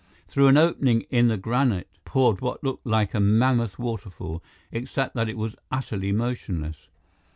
Through an opening in the granite poured what looked like a mammoth waterfall, except that it was utterly motionless.